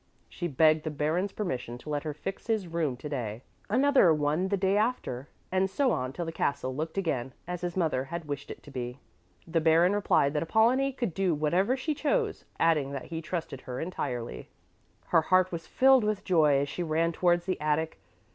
She begged the Baron's permission to let her fix his room to day, another one the day after, and so on till the castle looked again as his mother had wished it to be. The Baron replied that Apollonie could do whatever she chose, adding that he trusted her entirely. Her heart was filled with joy as she ran towards the attic.